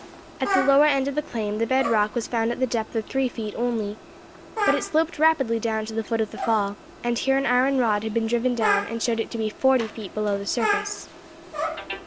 At the lower end of the claim the bed rock was found at the depth of three feet only; but it sloped rapidly down to the foot of the fall, and here an iron rod had been driven down and showed it to be forty feet below the surface.